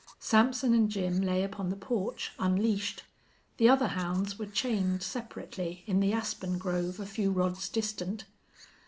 Sampson and Jim lay upon the porch, unleashed. The other hounds were chained separately in the aspen grove a few rods distant.